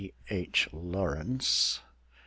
D. H. LAWRENCE D.